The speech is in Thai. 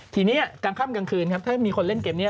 ทีนี้กลางค่ำกลางคืนครับถ้ามีคนเล่นเกมนี้